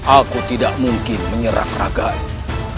aku tidak mungkin menyerang raganya